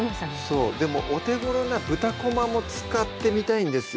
そうでもお手ごろな豚こまも使ってみたいんですよ